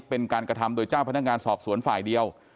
เป็นการกระทำโดยเจ้าพนักงานสอบสวนฝ่ายเดียว